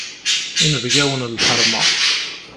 Inebgawen n lḥeṛma.